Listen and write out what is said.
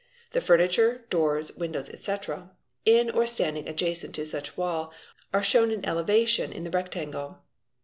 The furniture, doors, windows, etc., in or standing adjacent to such wall are shown in elevation in the rectangle.